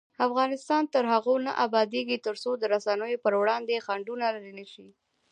افغانستان تر هغو نه ابادیږي، ترڅو د رسنیو پر وړاندې خنډونه لیرې نشي.